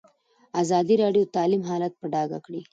ازادي راډیو د تعلیم حالت په ډاګه کړی.